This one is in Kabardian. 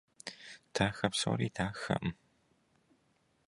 Дахэ псори дахэкъым.